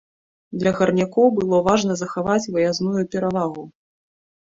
Для гарнякоў было важна захаваць выязную перавагу.